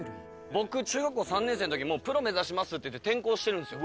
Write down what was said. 「僕中学校３年生の時にプロ目指しますっていって転校してるんですよ」